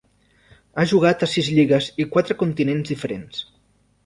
Ha jugat a sis lligues i quatre continents diferents.